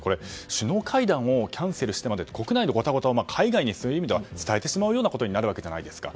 首脳会談をキャンセルしてまで国内のゴタゴタを海外に伝えてしまうようなことになるじゃないですか。